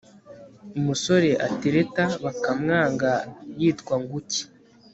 umusore atereta bakamwanga yitwa nguki